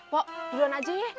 pok duluan aja ya